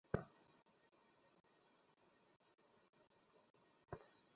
আমি আমার স্বামীকে ভয় পাচ্ছি, এই তথ্য স্বভাবতই স্বামী বেচারার জন্যে সুখকর নয়।